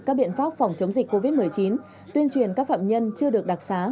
các biện pháp phòng chống dịch covid một mươi chín tuyên truyền các phạm nhân chưa được đặc xá